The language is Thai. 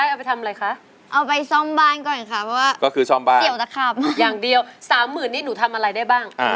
เอาไปซ่อมบ้านก่อนเลยค่ะก็คือซ่อมบ้าน